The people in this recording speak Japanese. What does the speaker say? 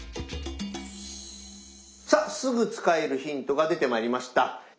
さっすぐ使えるヒントが出てまいりました。